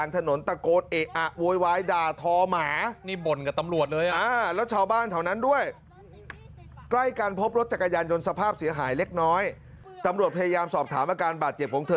ทราบชื่นั่นก็ไปพยายามสอกถามอาการบาดเจ็บของเธอ